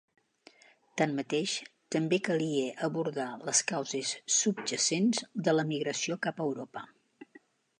Tanmateix, també calia abordar les causes subjacents de la migració cap a Europa.